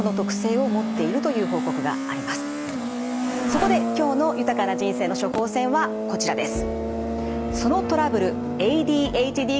そこで今日の豊かな人生の処方せんはこちらです。